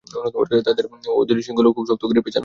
ওদের শিংগুলো খুব শক্ত করে পেঁচানো।